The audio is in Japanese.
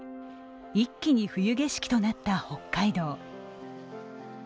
一気に冬景色となった北海道。